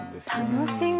楽しみ。